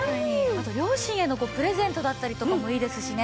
あと両親へのプレゼントだったりとかもいいですしね。